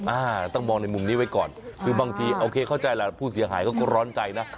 อ่าต้องมองในมุมนี้ไว้ก่อนคือบางทีโอเคเข้าใจแหละผู้เสียหายเขาก็ร้อนใจนะ